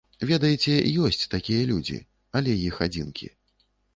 Ведаеце, ёсць такія людзі, але іх адзінкі.